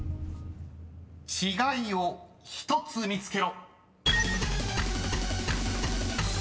［違いを１つ見つけろ］